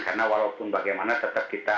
karena walaupun bagaimana tetap kita